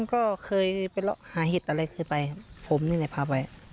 มันก็เคยไปหลอกหาหิตอะไรคือไปผมนี่เลยพาไปอ๋อ